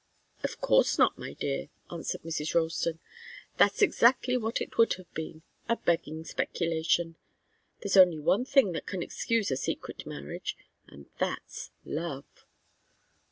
"Of course not, my dear," answered Mrs. Ralston. "That's exactly what it would have been a begging speculation. There's only one thing that can excuse a secret marriage, and that's love."